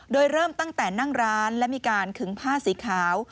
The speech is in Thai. โดยเริ่มตั้งแต่นั่งร้านและมีการขึงผ้าสีขาว